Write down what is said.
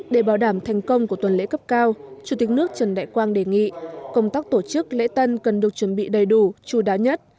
để bảo đảm thành công của tuần lễ cấp cao chủ tịch nước trần đại quang đề nghị công tác tổ chức lễ tân cần được chuẩn bị đầy đủ chú đáo nhất